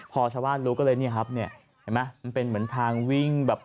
พอสวรรค์รู้ก็เลยเป็นเหมือนทางวิ่ง